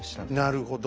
なるほど。